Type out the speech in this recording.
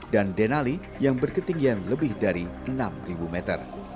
dan denali yang berketinggian lebih dari enam meter